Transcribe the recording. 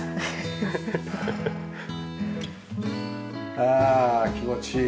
ああ気持ちいい。